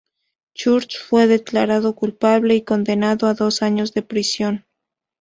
Church fue declarado culpable y condenado a dos años de prisión.